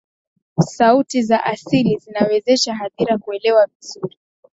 sauti za asili zinawezesha hadhira kuelewa vizuri